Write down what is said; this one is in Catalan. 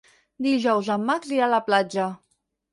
Dijous en Max irà a la platja.